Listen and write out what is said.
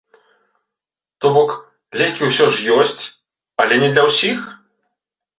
То бок, лекі ўсё ж ёсць, але не для ўсіх?